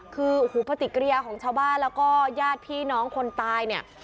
คือโอ้โหปฏิกิริยาของชาวบ้านแล้วก็ญาติพี่น้องคนตายเนี่ย